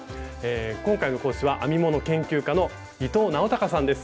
今回の講師は編み物研究家の伊藤直孝さんです。